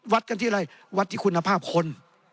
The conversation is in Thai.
วัดกันที่อะไรวัดที่คุณภาพคน